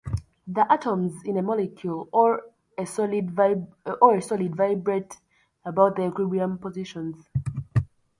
The atoms in a molecule or a solid vibrate about their equilibrium positions.